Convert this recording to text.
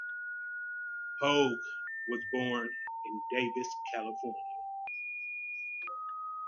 Hoag was born in Davis, California.